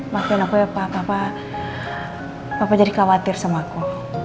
makasih ya pak pak jadi khawatir sama aku